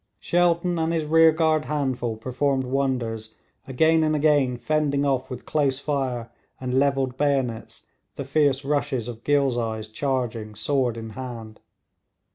Shelton and his rear guard handful performed wonders, again and again fending off with close fire and levelled bayonets the fierce rushes of Ghilzais charging sword in hand.